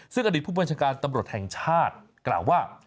ซึ่งอดีตผู้บัญชาการตำรวจแห่งชาติกล่าวว่า